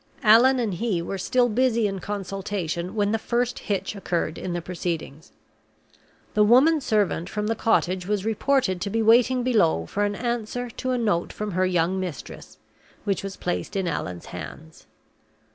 Allan and he were still busy in consultation when the first hitch occurred in the proceedings. The woman servant from the cottage was reported to be waiting below for an answer to a note from her young mistress, which was placed in Allan's hands.